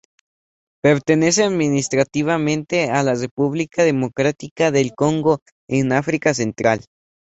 Pertenece administrativamente a la República Democrática del Congo, en África Central.